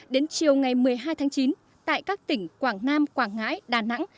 đến chiều ngày một mươi hai tháng chín tại các tỉnh quảng nam quảng ngãi đà nẵng